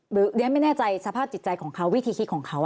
เรียนไม่แน่ใจสภาพจิตใจของเขาวิธีคิดของเขา